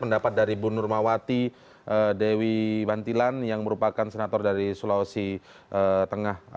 pendapat dari bu nurmawati dewi bantilan yang merupakan senator dari sulawesi tengah